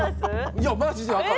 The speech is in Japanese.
いやマジで分かる。